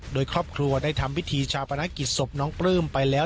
โดยครอบครัวได้ทำพิธีชาปนกิจศพน้องปลื้มไปแล้ว